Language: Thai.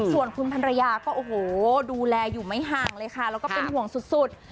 ส่วนคุณพันรยาก็โอ้โหดูแลอยู่ไม่ห่างเลยค่ะแล้วก็เป็นห่วงสุด